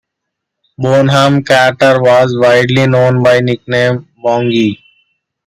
Bonham Carter was widely known by the nickname 'Bongie'.